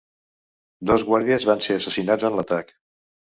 Dos guàrdies van ser assassinats en l'atac.